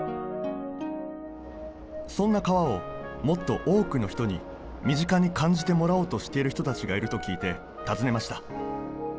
そんな川をもっと多くの人に身近に感じてもらおうとしている人たちがいると聞いて訪ねました